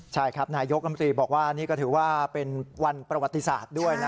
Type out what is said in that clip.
ใช่ครับนายกรมตรีบอกว่านี่ก็ถือว่าเป็นวันประวัติศาสตร์ด้วย